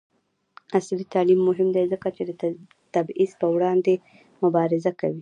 عصري تعلیم مهم دی ځکه چې د تبعیض پر وړاندې مبارزه کوي.